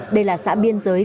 đây là xã biên giới